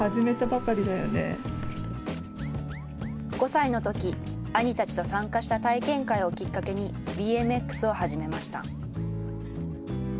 ５歳のとき、兄たちと参加した体験会をきっかけにＢＭＸを始めました。